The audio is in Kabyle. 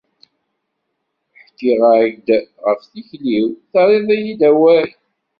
Ḥkiɣ-ak-d ɣef tikli-w, terriḍ-iyi-d awal.